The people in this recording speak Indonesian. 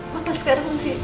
papa sekarang masih